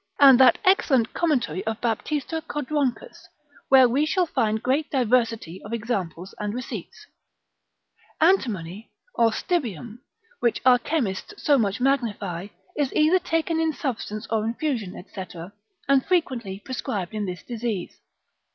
and that excellent commentary of Baptista Codroncus, which is instar omnium de Helleb. alb. where we shall find great diversity of examples and receipts. Antimony or stibium, which our chemists so much magnify, is either taken in substance or infusion, &c., and frequently prescribed in this disease.